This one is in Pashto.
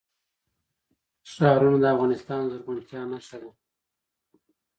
ښارونه د افغانستان د زرغونتیا نښه ده.